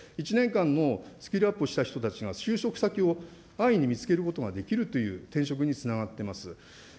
したがって、１年間のスキルアップをした人たちが就職先を安易に見つけることができるという転職につながってます。